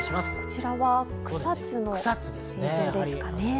こちらは草津の映像ですかね。